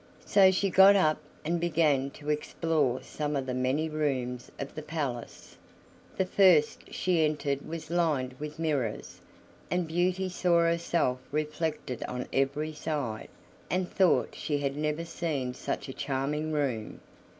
So she got up and began to explore some of the many rooms of the palace. The first she entered was lined with mirrors, and Beauty saw herself reflected on every side, and thought she had never seen such a charming room.